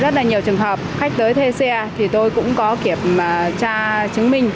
rất là nhiều trường hợp khách tới thuê xe thì tôi cũng có kiểm tra chứng minh